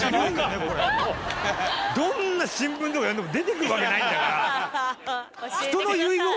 どんな新聞とか読んでも出てくるわけないんだから。